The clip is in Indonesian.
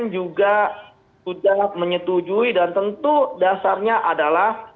juga sudah menyetujui dan tentu dasarnya adalah